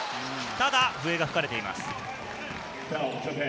ただ笛が吹かれています。